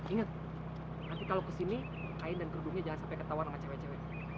inget kalau kesini kain dan keruduknya jangan sampai ketawa sama cewek cewek